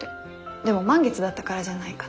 でも満月だったからじゃないかって。